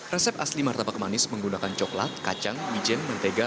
resep asli martabak manis menggunakan coklat kacang wijen mentega